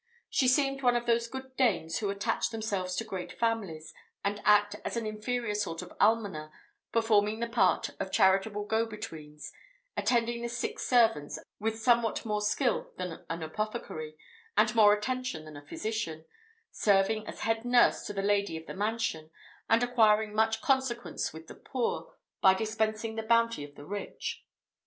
She seemed one of those good dames who attach themselves to great families, and act as an inferior sort of almoner, performing the part of charitable go betweens; attending the sick servants with somewhat more skill than an apothecary, and more attention than a physician; serving as head nurse to the lady of the mansion, and acquiring much consequence with the poor, by dispensing the bounty of the rich.